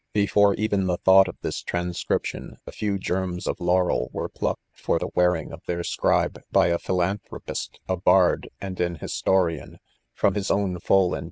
Before even the thought of this transcription a few germs of laurel were plucked for the wearing of their scribe, by a philanthropist, a bard and an historian, from his own full and!